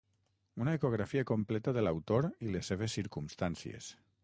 Una ecografia completa de l'autor i les seves circumstàncies.